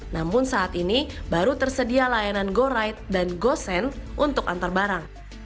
namun saat ini baru tersedia layanan goride dan gosend untuk antar barang